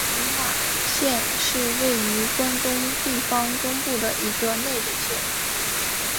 群马县是位于关东地方中部的一个内陆县。